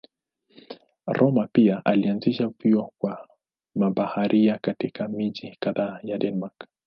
Rømer pia alianzisha vyuo kwa mabaharia katika miji kadhaa ya Denmark.